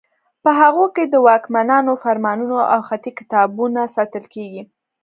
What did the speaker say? په هغو کې د واکمنانو فرمانونه او خطي کتابونه ساتل کیږي.